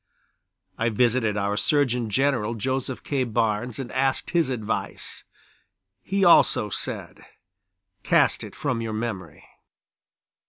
I visited our Surgeon General, Joseph K. Barnes, and asked his advice; he also said: "Cast it from your memory."